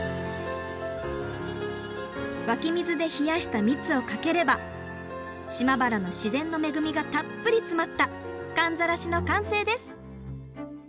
湧き水で冷やした蜜をかければ島原の自然の恵みがたっぷり詰まったかんざらしの完成です！